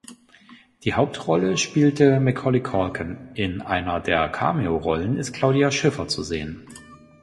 Die Hauptrolle spielte Macaulay Culkin, in einer der Cameo-Rollen ist Claudia Schiffer zu sehen.